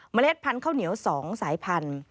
เล็ดพันธุ์ข้าวเหนียว๒สายพันธุ